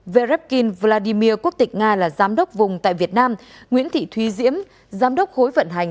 verbin vladimir quốc tịch nga là giám đốc vùng tại việt nam nguyễn thị thúy diễm giám đốc khối vận hành